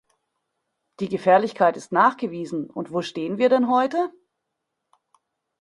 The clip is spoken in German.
Die Gefährlichkeit ist nachgewiesen, und wo stehen wir denn heute?